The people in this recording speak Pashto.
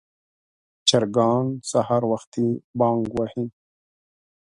چرګان سهار وختي بانګ وهي.